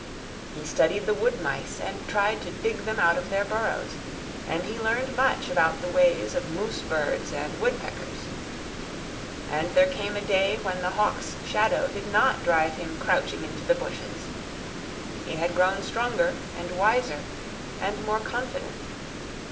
He studied the wood mice and tried to dig them out of their burrows; and he learned much about the ways of moose birds and woodpeckers. And there came a day when the hawk's shadow did not drive him crouching into the bushes. He had grown stronger and wiser, and more confident.